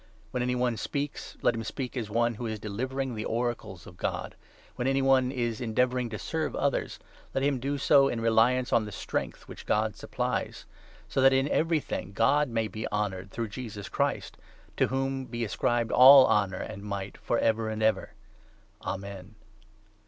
When any one speaks, let him speak as one who is 1 1 delivering the oracles of God. When any one is endeavouring to serve others, let him do so in reliance on the strength which God supplies ; so that in everything God may be honoured through Jesus Christ — to whom be ascribed all honour and might for ever and ever. Amen.